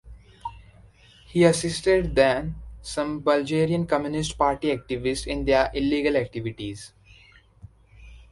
He assisted then some Bulgarian Communist Party activists in their illegal activities.